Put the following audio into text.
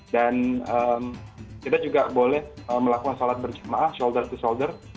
dan kita juga boleh melakukan sholat berjemaah shoulder to shoulder